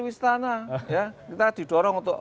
istana ya kita didorong untuk